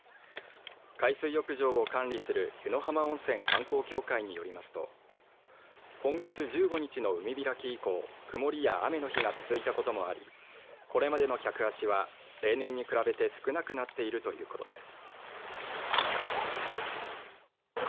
海水浴場の管理する湯野浜温泉観光協会によりますと今月１５日の海開き以降曇りや雨の日が続いたこともありこれまでの客足は例年に比べて少なくなっているということです。